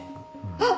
あっ！